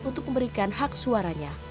untuk memberikan hak suaranya